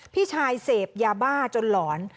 พี่ชายเสพยาบ้าจนหลอน